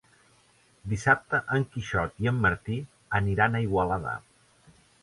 Dissabte en Quixot i en Martí aniran a Igualada.